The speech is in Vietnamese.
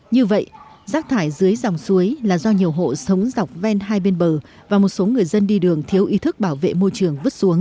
như vậy rác thải dưới dòng suối là do nhiều hộ sống dọc ven hai bên bờ và một số người dân đi đường thiếu ý thức bảo vệ môi trường vứt xuống